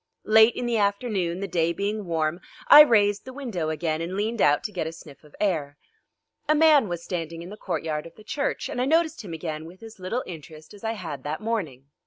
Late in the afternoon, the day being warm, I raised the window again and leaned out to get a sniff of air. A man was standing in the courtyard of the church, and I noticed him again with as little interest as I had that morning.